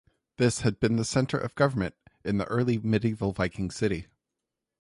This had been the centre of government in the early medieval Viking city.